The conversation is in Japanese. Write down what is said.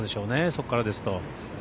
そこからですと。